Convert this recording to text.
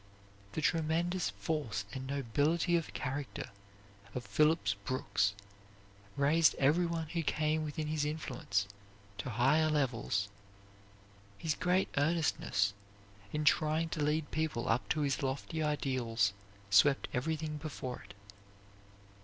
The tremendous force and nobility of character of Phillips Brooks raised everyone who came within his influence to higher levels. His great earnestness in trying to lead people up to his lofty ideals swept everything before it.